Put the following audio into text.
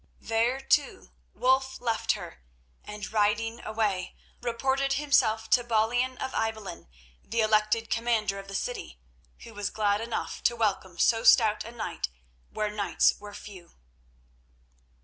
There, too, Wulf left her, and riding away, reported himself to Balian of Ibelin, the elected commander of the city, who was glad enough to welcome so stout a knight where knights were few.